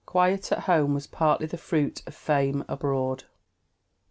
Quiet at home was partly the fruit of fame abroad."